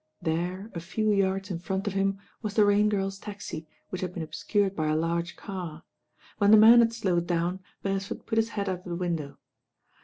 There a h^r yards in ront of him was the Rain Girl's taxi, which had been obscured by a large car. When the man had slowed down, Beresford put his head out of the window.